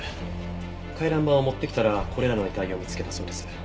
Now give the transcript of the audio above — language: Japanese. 回覧板を持ってきたらこれらの遺体を見つけたそうです。